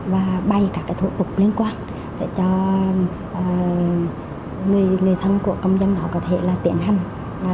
và bay các cái thủ tục liên quan để cho người thân của công dân đó có thể là tiến hành